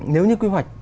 nếu như quy hoạch